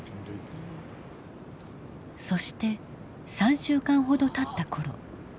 そして３週間ほどたった頃。